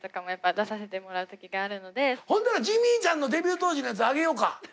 ほんならジミーちゃんのデビュー当時のやつあげようか？